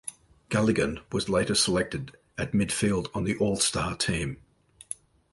Galligan was later selected at midfield on the All Star team.